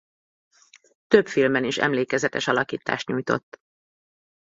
Több filmben is emlékezetes alakítást nyújtott.